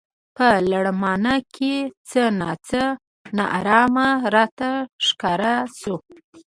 په لړمانه کې څه نا څه نا ارامه راته ښکاره شو.